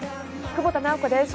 久保田直子です。